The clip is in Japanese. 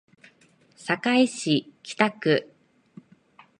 堺市北区